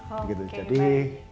jadi jangan sampai lewat